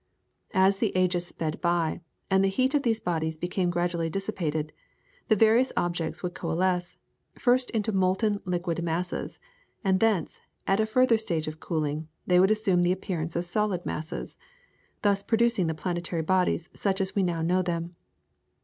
As the ages sped by, and the heat of these bodies became gradually dissipated, the various objects would coalesce, first into molten liquid masses, and thence, at a further stage of cooling, they would assume the appearance of solid masses, thus producing the planetary bodies such as we now know them.